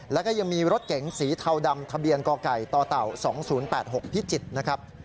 แล้วก็ยังมีรถเก๋งสีเทาดำทะเบียนกไก่ต่อเต่า๒๐๘๖พิจิตรนะครับ